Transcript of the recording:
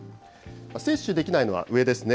接種できないのは上ですね。